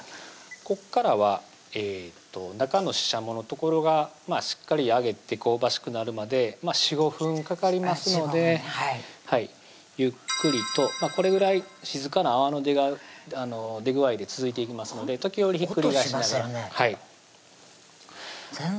ここからは中のししゃもの所がしっかり揚げて香ばしくなるまで４５分かかりますのでゆっくりとこれぐらい静かな泡の出具合で続いていきますので時折ひっくり返しながら音しませんね